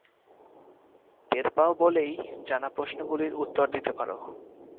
টের পাও বলেই জানা প্রশ্নগুলির উত্তর দিতে পার।